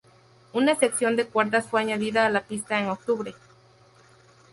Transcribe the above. Una sección de cuerdas fue añadida a la pista en octubre.